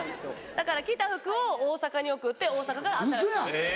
だから着た服を大阪に送って大阪から新しい服を。